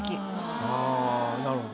ああなるほど。